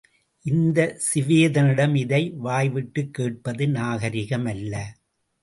இந்தச் சிவேதனிடம் இதை வாய்விட்டுக் கேட்பது நாகரிகமல்ல.